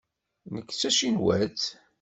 Nekk d tacinwatt.